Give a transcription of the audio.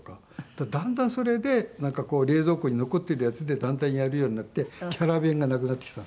ただだんだんそれで冷蔵庫に残っているやつでだんだんやるようになってキャラ弁がなくなってきた。